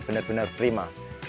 sepeda benar benar prima